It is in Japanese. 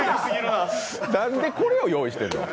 なんでこれを用意してんの。